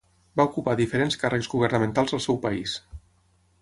Va ocupar diferents càrrecs governamentals al seu país.